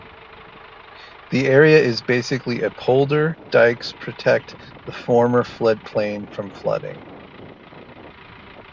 The area is basically a polder, dikes protect the former floodplain from flooding.